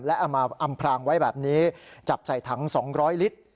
และเอามาอำพรางไว้แบบนี้จับใส่ถัง๒๐๐ลิตร